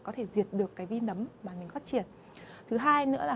có thể diệt được cái vi nấm mà mình phát triển